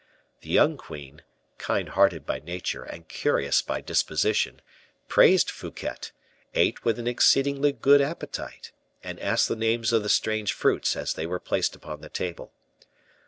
The young queen, kind hearted by nature and curious by disposition, praised Fouquet, ate with an exceedingly good appetite, and asked the names of the strange fruits as they were placed upon the table.